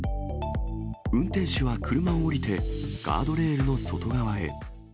運転手は車を降りてガードレールの外側へ。